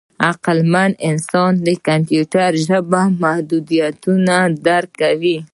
عقلمن انسان د کمپیوټر د ژبې محدودیتونه درک کوي.